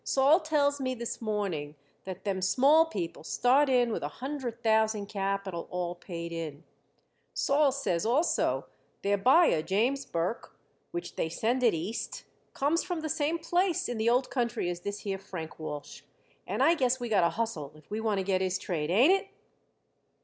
Sol tells me this morning that them Small people start in with a hundred thousand capital all paid in. Sol says also their buyer James Burke which they send it East comes from the same place in the old country as this here Frank Walsh, and I guess we got to hustle if we want to get his trade, ain't it?"